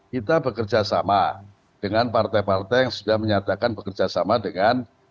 kita bekerja sama dengan partai partai yang sudah menyatakan bekerja sama dengan